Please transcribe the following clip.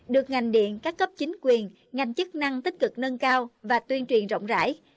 được ngành điện các cấp chính quyền ngành chức năng tích cực nâng cao và tuyên truyền rộng rãi